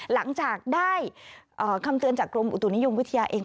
หลังจากได้คำเตือนจากกรมอุตุนิยมวิทยาเอง